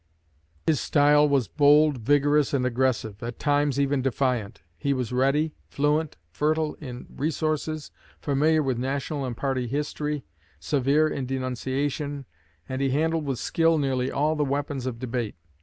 His style was bold, vigorous, and aggressive; at times even defiant. He was ready, fluent, fertile in resources, familiar with national and party history, severe in denunciation, and he handled with skill nearly all the weapons of debate.